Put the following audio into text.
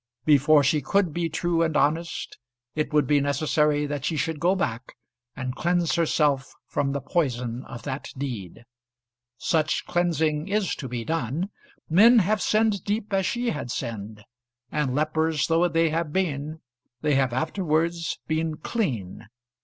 Before she could be true and honest it would be necessary that she should go back and cleanse herself from the poison of that deed. Such cleansing is to be done. Men have sinned deep as she had sinned, and, lepers though they have been, they have afterwards been clean.